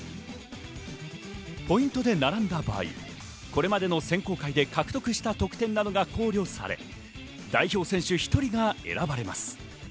ポイントで並んだ場合、これまでの選考会で獲得した得点などが考慮され、代表選手１人が選ばれます。